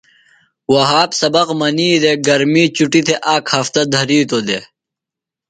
وھاب سبق منی دےۡ۔ گرمی چُٹیۡ تھےۡ آک ہفتہ دھرِیتوۡ دےۡ۔